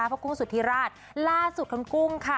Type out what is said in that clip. เพราะคุณสุธิราชล่าสุธคุณกุ้งค่ะ